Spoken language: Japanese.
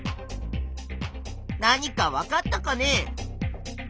何かわかったかね？